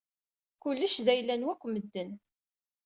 Kullec d ayla n wakk medden.